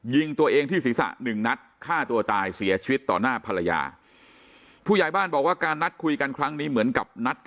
ยิงตัวเองที่ศีรษะ๑นัดฆ่าตัวตายเสียชีวิตต่อหน้าภรรยา